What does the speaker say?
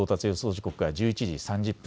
時刻は１１時３０分。